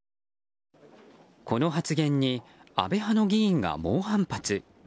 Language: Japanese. この発言に安倍派の議員が猛反発。